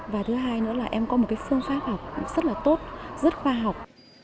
và thứ hai nữa là em có một phương pháp học rất là tốt rất khoa học